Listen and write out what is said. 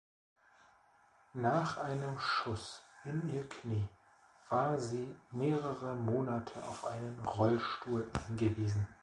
Nach einem Schuss in ihr Knie war sie mehrere Monate auf einen Rollstuhl angewiesen.